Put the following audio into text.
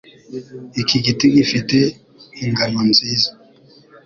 Iki giti gifite ingano nziza.